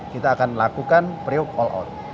kita akan lakukan preok all out